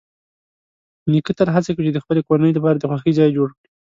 نیکه تل هڅه کوي چې د خپل کورنۍ لپاره د خوښۍ ځای جوړ کړي.